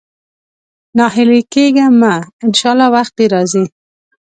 ناهيلی کېږه مه، ان شاءالله وخت دې راځي.